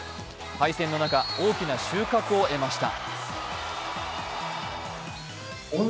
敗戦の中、大きな収穫を得ました。